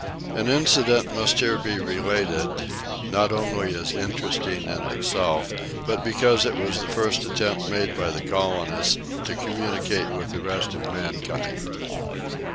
An incident must here be related, not only as interesting in itself, but because it was the first attempt made by the colonists to communicate with the rest of mankind.